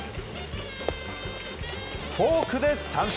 フォークで三振。